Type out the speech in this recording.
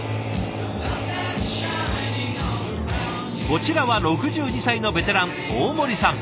こちらは６２歳のベテラン大森さん。